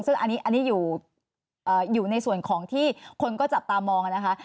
ซึ่งอันนี้อยู่ในส่วนของที่คนก็จับตามองนะคะ